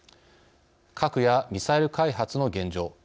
核やミサイル開発の現状。